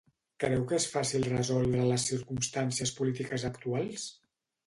Creu que és fàcil resoldre les circumstàncies polítiques actuals?